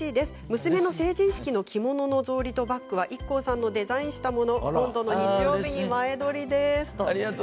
娘の成人式の着物と草履とバッグはＩＫＫＯさんのデザインしたもので前撮りです。